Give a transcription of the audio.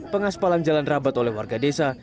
pengaspalan jalan rabat oleh warga desa